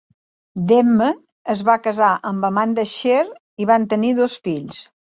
Demme es va casar amb Amanda Scheer i van tenir dos fills.